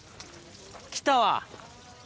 来たわ。